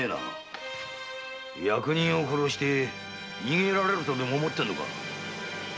役人を殺して逃げられると思っているのか。